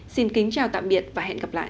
xin kính chào tạm biệt và hẹn gặp lại